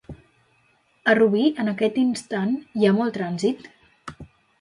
A Rubí en aquest instant hi ha molt trànsit?